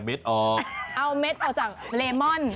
เอาเม็ดออกจากเลมอน